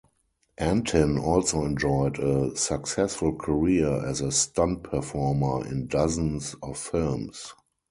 Antin also enjoyed a successful career as a stunt performer in dozens of films.